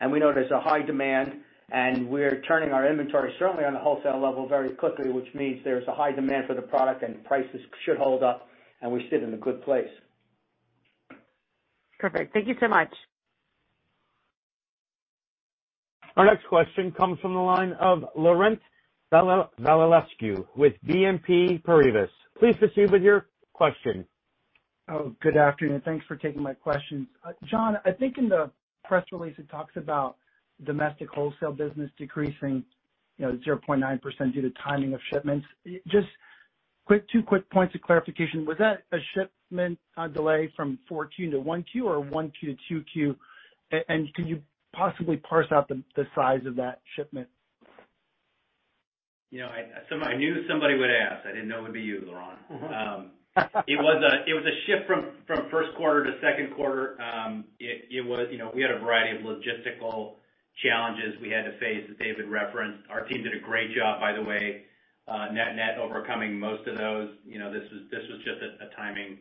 Speaker 3: and we know there's a high demand, and we're turning our inventory certainly on the wholesale level very quickly, which means there's a high demand for the product and prices should hold up, and we sit in a good place.
Speaker 9: Perfect. Thank you so much.
Speaker 1: Our next question comes from the line of Laurent Vasilescu with BNP Paribas. Please proceed with your question.
Speaker 10: Oh, good afternoon. Thanks for taking my questions. John, I think in the press release it talks about domestic wholesale business decreasing 0.9% due to timing of shipments. Just two quick points of clarification. Was that a shipment delay from 4Q to 1Q or 1Q to 2Q? Can you possibly parse out the size of that shipment?
Speaker 4: I knew somebody would ask. I didn't know it would be you, Laurent. It was a shift from first quarter to second quarter. We had a variety of logistical challenges we had to face that David referenced. Our team did a great job, by the way, net-net overcoming most of those. This was just a timing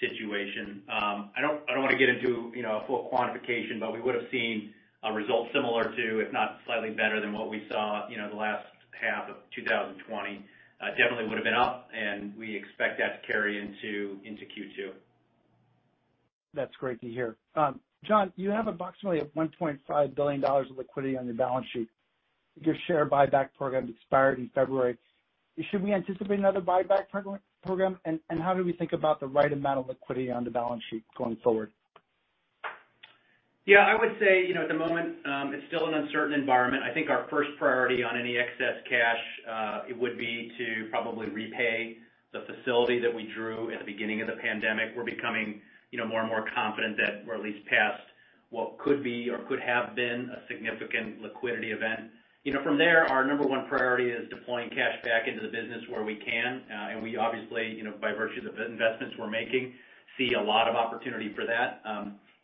Speaker 4: situation. I don't want to get into full quantification, but we would've seen a result similar to, if not slightly better than what we saw the last half of 2020. Definitely would've been up. We expect that to carry into Q2.
Speaker 10: That's great to hear. John, you have approximately $1.5 billion of liquidity on your balance sheet. Your share buyback program expired in February. Should we anticipate another buyback program? How do we think about the right amount of liquidity on the balance sheet going forward?
Speaker 4: Yeah, I would say, at the moment, it's still an uncertain environment. I think our first priority on any excess cash, it would be to probably repay the facility that we drew at the beginning of the pandemic. We're becoming more and more confident that we're at least past what could be or could have been a significant liquidity event. From there, our number one priority is deploying cash back into the business where we can. We obviously, by virtue of the investments we're making, see a lot of opportunity for that.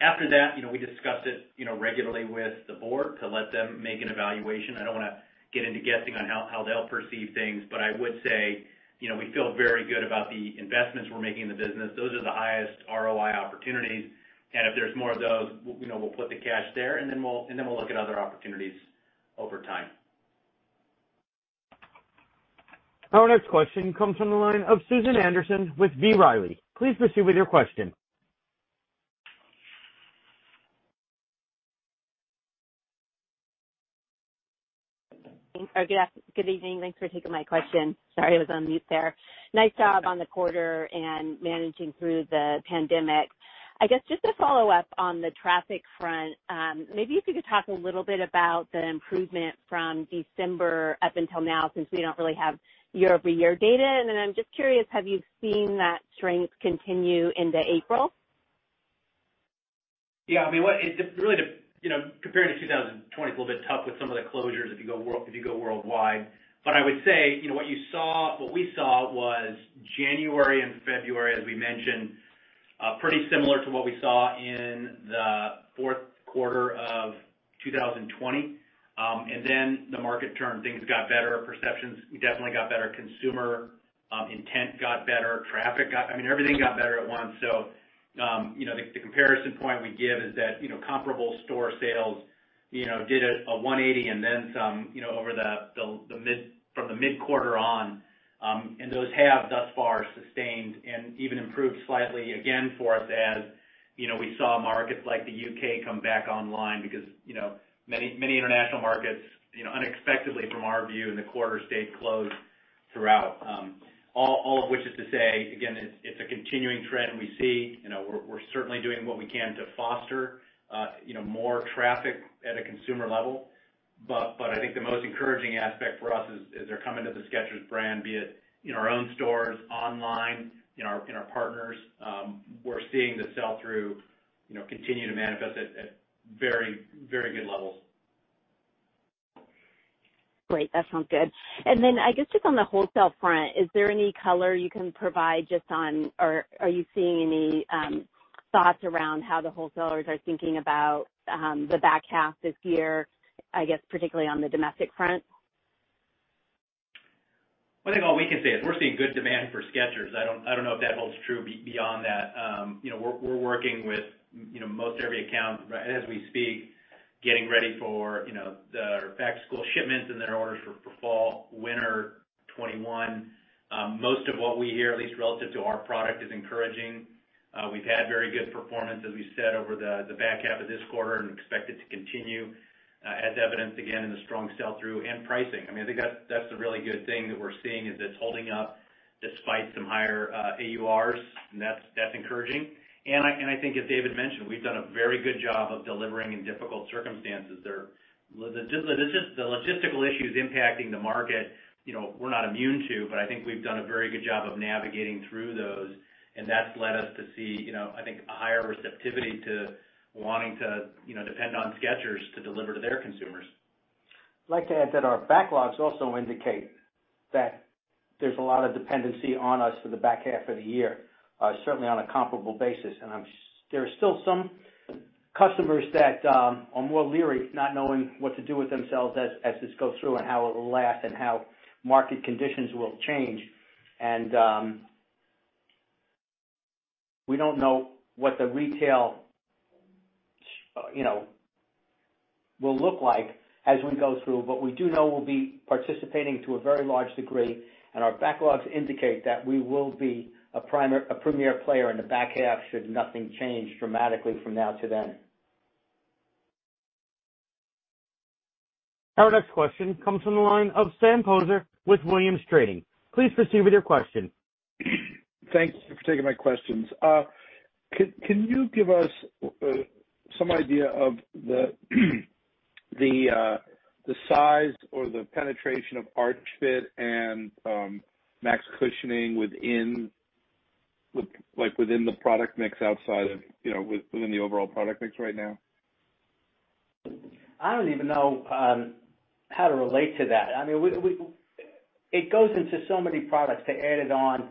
Speaker 4: After that, we discuss it regularly with the board to let them make an evaluation. I don't want to get into guessing on how they'll perceive things, but I would say, we feel very good about the investments we're making in the business. Those are the highest ROI opportunities, and if there's more of those, we'll put the cash there, and then we'll look at other opportunities over time.
Speaker 1: Our next question comes from the line of Susan Anderson with B. Riley. Please proceed with your question.
Speaker 11: Good evening. Thanks for taking my question. Sorry, I was on mute there. Nice job on the quarter and managing through the pandemic. I guess just to follow up on the traffic front, maybe if you could talk a little bit about the improvement from December up until now, since we don't really have year-over-year data. I'm just curious, have you seen that strength continue into April?
Speaker 4: Yeah. Comparing to 2020 is a little bit tough with some of the closures if you go worldwide. I would say, what we saw was January and February, as we mentioned, pretty similar to what we saw in the fourth quarter of 2020. The market turned, things got better, perceptions definitely got better, consumer intent got better. Everything got better at once. The comparison point we give is that comparable store sales did a 180 and then some from the mid-quarter on, and those have thus far sustained and even improved slightly again for us as we saw markets like the U.K. come back online because many international markets unexpectedly, from our view in the quarter, stayed closed throughout. All of which is to say, again, it's a continuing trend we see. We're certainly doing what we can to foster more traffic at a consumer level, but I think the most encouraging aspect for us is they're coming to the Skechers brand, be it in our own stores, online, in our partners. We're seeing the sell-through continue to manifest at very good levels.
Speaker 11: Great. That sounds good. I guess just on the wholesale front, is there any color you can provide just on, or are you seeing any thoughts around how the wholesalers are thinking about the back half this year, I guess particularly on the domestic front?
Speaker 4: I think all we can say is we're seeing good demand for Skechers. I don't know if that holds true beyond that. We're working with most every account as we speak, getting ready for the back-to-school shipments and their orders for fall, winter 2021. Most of what we hear, at least relative to our product, is encouraging. We've had very good performance, as we said, over the back half of this quarter and expect it to continue, as evidenced again in the strong sell-through and pricing. I think that's the really good thing that we're seeing, is it's holding up despite some higher AURs. That's encouraging. I think as David mentioned, we've done a very good job of delivering in difficult circumstances. The logistical issues impacting the market, we're not immune to, but I think we've done a very good job of navigating through those, and that's led us to see, I think, a higher receptivity to wanting to depend on Skechers to deliver to their consumers.
Speaker 3: I'd like to add that our backlogs also indicate that there's a lot of dependency on us for the back half of the year, certainly on a comparable basis. There are still some customers that are more leery, not knowing what to do with themselves as this goes through, and how it will last and how market conditions will change. We don't know what the retail will look like as we go through, but we do know we'll be participating to a very large degree, and our backlogs indicate that we will be a premier player in the back half should nothing change dramatically from now to then.
Speaker 1: Our next question comes from the line of Sam Poser with Williams Trading. Please proceed with your question.
Speaker 12: Thank you for taking my questions. Can you give us some idea of the size or the penetration of Arch Fit and Max Cushioning within the product mix within the overall product mix right now?
Speaker 3: I don't even know how to relate to that. It goes into so many products to add it on.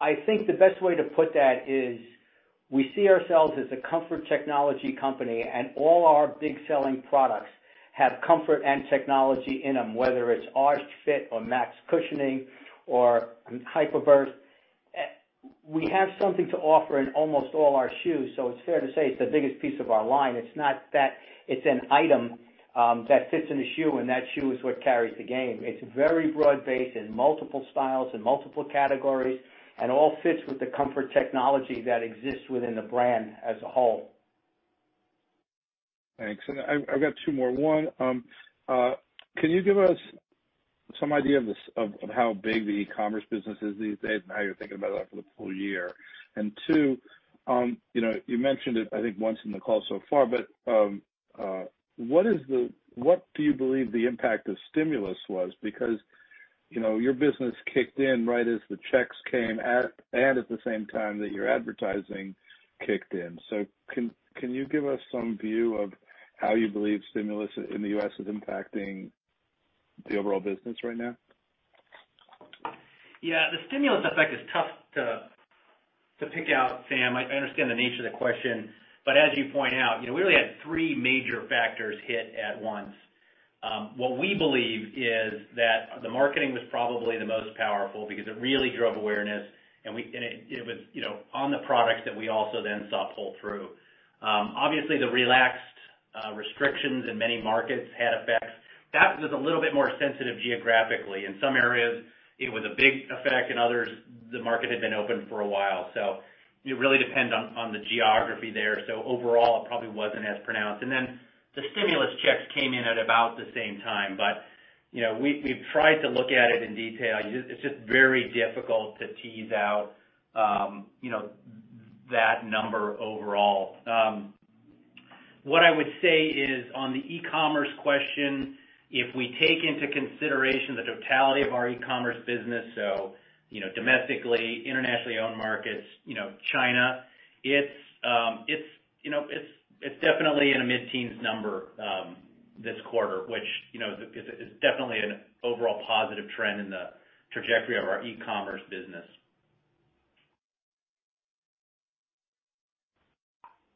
Speaker 3: I think the best way to put that is, we see ourselves as a comfort technology company, and all our big selling products have comfort and technology in them, whether it's Arch Fit or Max Cushioning or Hyper Burst. We have something to offer in almost all our shoes, so it's fair to say it's the biggest piece of our line. It's not that it's an item that fits in a shoe, and that shoe is what carries the game. It's very broad-based in multiple styles and multiple categories, and all fits with the comfort technology that exists within the brand as a whole.
Speaker 12: Thanks. I've got two more. One, can you give us some idea of how big the e-commerce business is these days and how you're thinking about that for the full year? Two, you mentioned it, I think, once in the call so far, but what do you believe the impact of stimulus was? Because your business kicked in right as the checks came, and at the same time that your advertising kicked in. Can you give us some view of how you believe stimulus in the U.S. is impacting the overall business right now?
Speaker 4: Yeah. The stimulus effect is tough to pick out, Sam. I understand the nature of the question, but as you point out, we really had three major factors hit at once. What we believe is that the marketing was probably the most powerful because it really drove awareness, and it was on the products that we also then saw pull through. Obviously, the relaxed restrictions in many markets had effects. That was a little bit more sensitive geographically. In some areas, it was a big effect. In others, the market had been open for a while. It really depends on the geography there. Overall, it probably wasn't as pronounced. The stimulus checks came in at about the same time. We've tried to look at it in detail. It's just very difficult to tease out that number overall. What I would say is on the e-commerce question, if we take into consideration the totality of our e-commerce business, so domestically, internationally owned markets, China, it's definitely in a mid-teens number, this quarter, which is definitely an overall positive trend in the trajectory of our e-commerce business.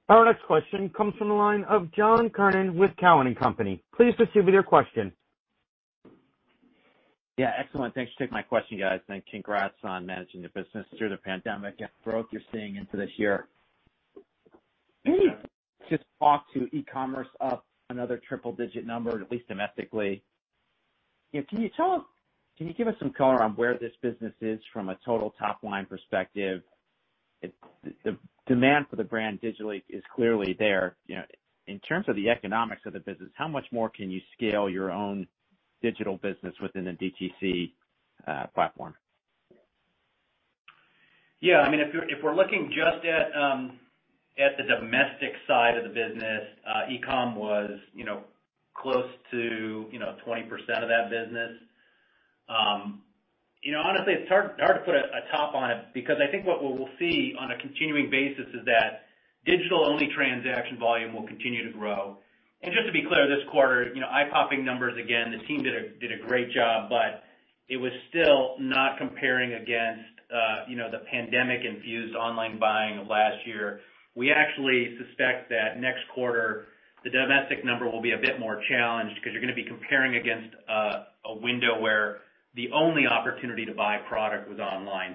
Speaker 1: Our next question comes from the line of John Kernan with Cowen & Company. Please proceed with your question.
Speaker 13: Yeah. Excellent. Thanks for taking my question, guys. Congrats on managing the business through the pandemic and growth you're seeing into this year. Maybe just talk to e-commerce up another triple-digit number, at least domestically. Can you give us some color on where this business is from a total top line perspective? The demand for the brand digitally is clearly there. In terms of the economics of the business, how much more can you scale your own digital business within the DTC platform?
Speaker 4: Yeah. If we're looking just at the domestic side of the business, e-com was close to 20% of that business. Honestly, it's hard to put a top on it because I think what we'll see on a continuing basis is that digital-only transaction volume will continue to grow. Just to be clear, this quarter, eye-popping numbers again. The team did a great job, it was still not comparing against the pandemic-infused online buying of last year. We actually suspect that next quarter, the domestic number will be a bit more challenged because you're going to be comparing against a window where the only opportunity to buy product was online.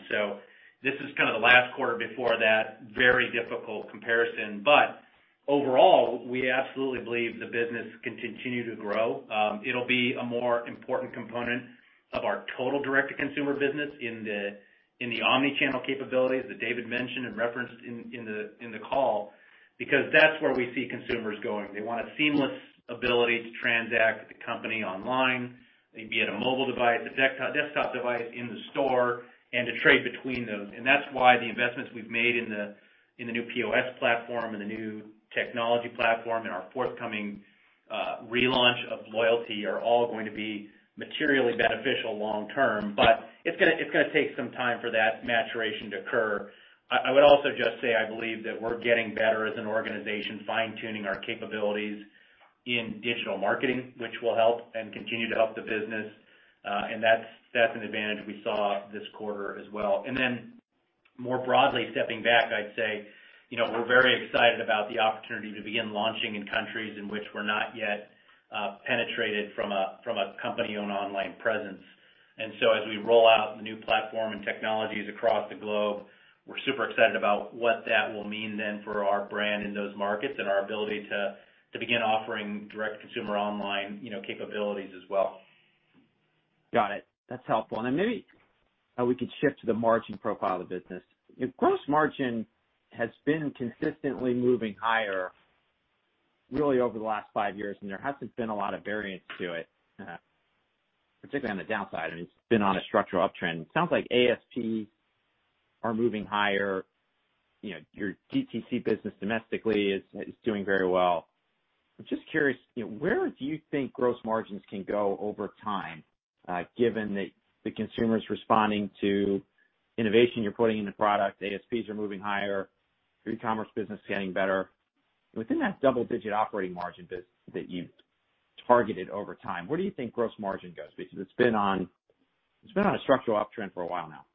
Speaker 4: This is kind of the last quarter before that very difficult comparison. Overall, we absolutely believe the business can continue to grow. It'll be a more important component of our total direct-to-consumer business in the omni-channel capabilities that David mentioned and referenced in the call, because that's where we see consumers going. They want a seamless ability to transact with the company online, maybe at a mobile device, a desktop device, in the store, and to trade between those. That's why the investments we've made in the new POS platform and the new technology platform and our forthcoming relaunch of loyalty are all going to be materially beneficial long term. It's going to take some time for that maturation to occur. I would also just say, I believe that we're getting better as an organization, fine-tuning our capabilities in digital marketing, which will help and continue to help the business. That's an advantage we saw this quarter as well. More broadly, stepping back, I'd say, we're very excited about the opportunity to begin launching in countries in which we're not yet penetrated from a company-owned online presence. As we roll out the new platform and technologies across the globe, we're super excited about what that will mean then for our brand in those markets and our ability to begin offering direct consumer online capabilities as well.
Speaker 13: Got it. That's helpful. Maybe we could shift to the margin profile of the business. Gross margin has been consistently moving higher really over the last five years. There hasn't been a lot of variance to it, particularly on the downside. I mean, it's been on a structural uptrend. It sounds like ASP are moving higher. Your DTC business domestically is doing very well. I'm just curious, where do you think gross margins can go over time, given that the consumer is responding to innovation you're putting in the product, ASPs are moving higher, your e-commerce business is getting better. Within that double-digit operating margin that you targeted over time, where do you think gross margin goes? It's been on a structural uptrend for a while now.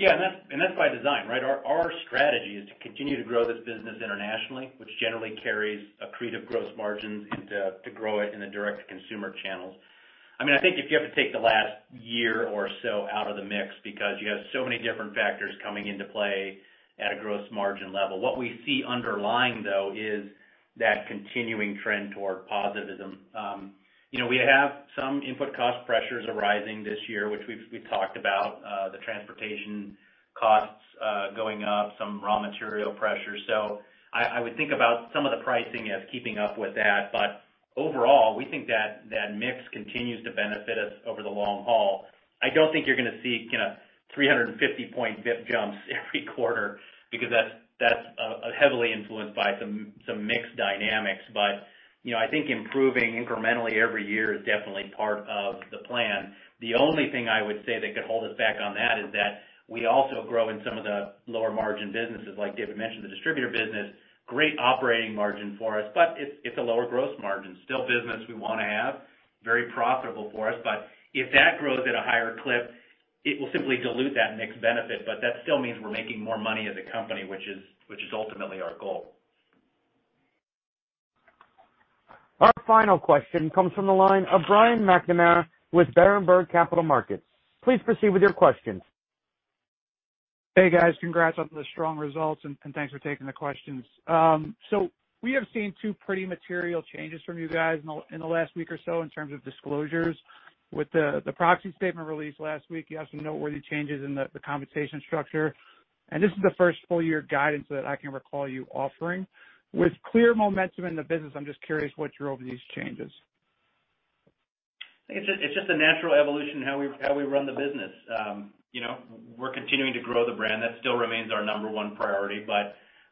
Speaker 4: That's by design, right? Our strategy is to continue to grow this business internationally, which generally carries accretive gross margins, and to grow it in the direct-to-consumer channels. I think if you have to take the last year or so out of the mix, because you have so many different factors coming into play at a gross margin level. What we see underlying, though, is that continuing trend toward positivism. We have some input cost pressures arising this year, which we've talked about. The transportation costs going up, some raw material pressures. I would think about some of the pricing as keeping up with that. Overall, we think that mix continues to benefit us over the long haul. I don't think you're going to see 350 basis point jumps every quarter because that's heavily influenced by some mix dynamics. I think improving incrementally every year is definitely part of the plan. The only thing I would say that could hold us back on that is that we also grow in some of the lower margin businesses. David mentioned, the distributor business, great operating margin for us, but it's a lower gross margin. Still business we want to have. Very profitable for us. If that grows at a higher clip, it will simply dilute that mix benefit. That still means we're making more money as a company, which is ultimately our goal.
Speaker 1: Our final question comes from the line of Brian McNamara with Berenberg Capital Markets. Please proceed with your questions.
Speaker 14: Hey, guys. Congrats on the strong results, thanks for taking the questions. We have seen two pretty material changes from you guys in the last week or so in terms of disclosures. With the proxy statement released last week, you have some noteworthy changes in the compensation structure. This is the first full year guidance that I can recall you offering. With clear momentum in the business, I'm just curious what drove these changes.
Speaker 4: It's just a natural evolution in how we run the business. We're continuing to grow the brand. That still remains our number one priority.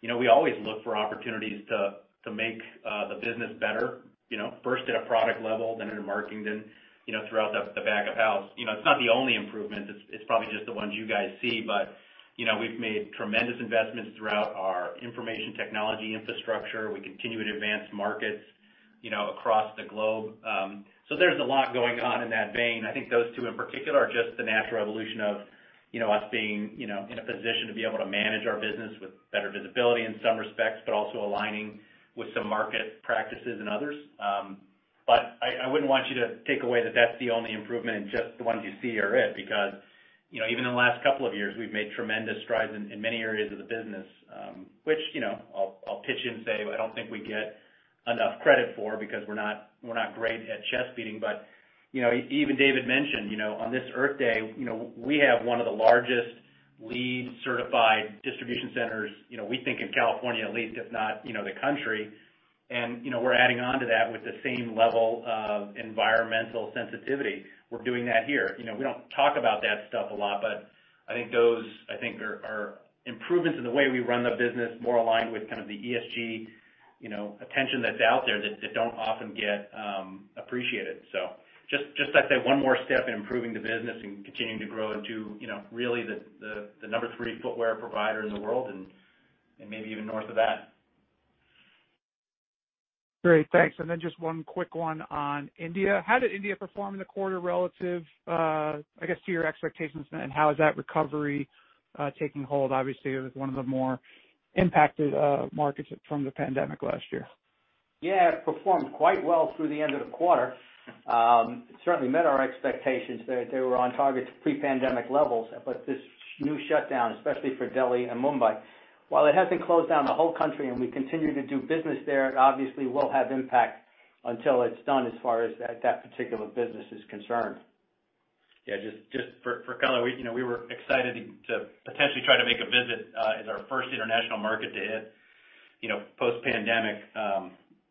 Speaker 4: We always look for opportunities to make the business better, first at a product level, then in marketing, then throughout the back of house. It's not the only improvement. It's probably just the ones you guys see, but we've made tremendous investments throughout our information technology infrastructure. We continue to advance markets across the globe. There's a lot going on in that vein. I think those two in particular are just the natural evolution of us being in a position to be able to manage our business with better visibility in some respects, but also aligning with some market practices and others. I wouldn't want you to take away that that's the only improvement and just the ones you see are it, because even in the last couple of years, we've made tremendous strides in many areas of the business. Which I'll pitch in and say, I don't think we get enough credit for because we're not great at chest-beating. Even David mentioned, on this Earth Day, we have one of the largest LEED certified distribution centers, we think in California at least, if not the country. We're adding on to that with the same level of environmental sensitivity. We're doing that here. We don't talk about that stuff a lot, but I think those are improvements in the way we run the business more aligned with kind of the ESG attention that's out there that don't often get appreciated. Just, I'd say, one more step in improving the business and continuing to grow into really the number three footwear provider in the world, and maybe even north of that.
Speaker 14: Great. Thanks. Just one quick one on India. How did India perform in the quarter relative to your expectations, and how is that recovery taking hold? Obviously, it was one of the more impacted markets from the pandemic last year.
Speaker 3: Yeah. It performed quite well through the end of the quarter. Certainly met our expectations. They were on target to pre-pandemic levels. This new shutdown, especially for Delhi and Mumbai, while it hasn't closed down the whole country and we continue to do business there, it obviously will have impact until it's done as far as that particular business is concerned.
Speaker 4: Yeah, just for color, we were excited to potentially try to make a visit as our first international market to hit post pandemic,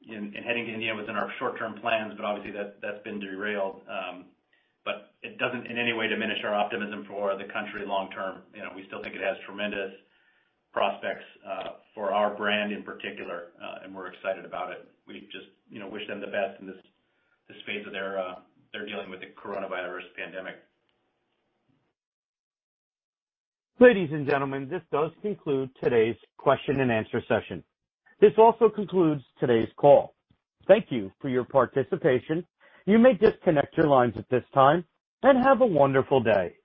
Speaker 4: and heading to India was in our short-term plans, but obviously that's been derailed. It doesn't in any way diminish our optimism for the country long term. We still think it has tremendous prospects for our brand in particular, and we're excited about it. We just wish them the best in this phase that they're dealing with the coronavirus pandemic.
Speaker 1: Ladies and gentlemen, this does conclude today's question and answer session. This also concludes today's call. Thank you for your participation. You may disconnect your lines at this time. Have a wonderful day.